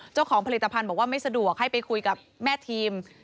เจ้าของผลิตภัณฑ์บอกว่าไม่สะดวกให้ไปคุยกับแม่ทีม